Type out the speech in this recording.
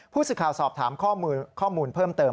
ผู้สื่อข่าวสอบถามข้อมูลเพิ่มเติม